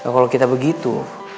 kalau kita begitu